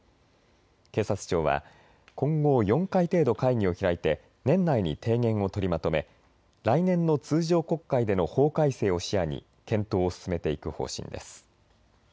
警察庁は今後４回程度、会議を開いて年内に提言を取りまとめ来年の通常国会での法改正を視野に検討を進めていく方針です。